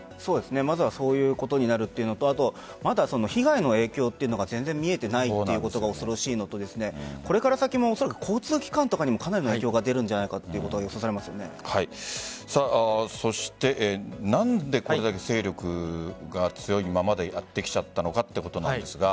まずはそういうことになるというのとまだ被害の影響が全然見えていないということが恐ろしいのとこれから先も交通機関とかにもかなり影響が出るんじゃないかと何でこれだけ勢力が強いままでやってきちゃったのかということなんですが。